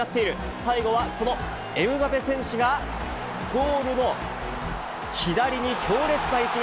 最後はそのエムバペ選手がゴールの左に強烈な一撃。